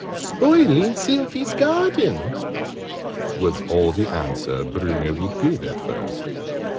"Spoiling Sylvie's garden," was all the answer Bruno would give at first.